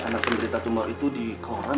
anak pemberita tumor itu di koran